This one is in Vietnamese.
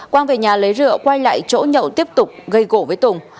quang về nhà lấy rượu quay lại chỗ nhậu tiếp tục gây gỗ với tùng